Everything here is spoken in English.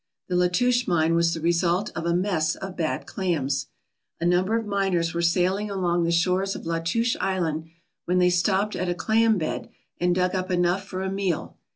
The La touche mine was the result of a mess of bad clams. A number of miners were sailing along the shores of Latouche Island when they stopped at a clam bed and dug up enough for a meal.